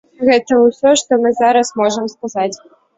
Гэта ўсё, што мы зараз можам сказаць.